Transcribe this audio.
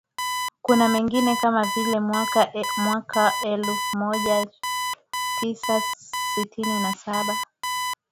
kuna mengine kama vile mwaka elfu moja mia tisa sitini na saba